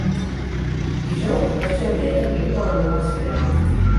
Dijous na Xènia i en Nil volen anar al cinema.